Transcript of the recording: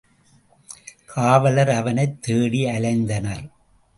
காவலர் அவனைத் தேடி அலைந்தனர்.